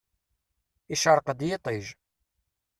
Icreq-d yiṭij.